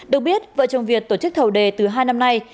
được biết vợ chồng việt tổ chức thầu đề từ hai năm nay